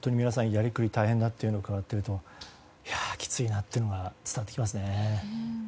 やりくり大変だと伺っているときついなっていうのが伝わってきますね。